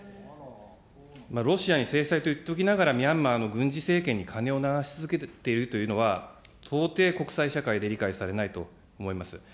ロシアに制裁と言っておきながら、ミャンマーの軍事政権に金を流し続けているというのは、到底、国際社会で理解されないと思います。